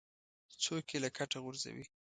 څوک یې له کټه غورځوي.